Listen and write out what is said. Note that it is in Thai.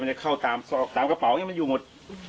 มันจะเข้าตามซอกตามกระเป๋าอย่างนี้มันอยู่หมด